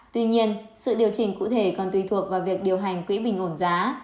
tuy nhiên sự điều chỉnh cụ thể còn tùy thuộc vào việc điều hành quỹ bình ổn giá